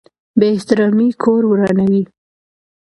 بې احترامي کور ورانوي.